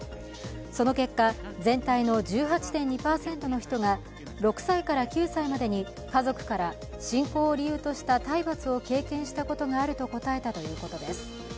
その結果、全体の１８．２％の人が６歳から９歳までに家族から信仰を理由とした体罰を経験したことがあると答えたということです。